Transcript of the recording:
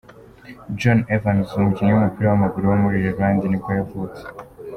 Jonny Evans, umukinnyi w’umupira w’amaguru wo muri Ireland nibwo yavutse.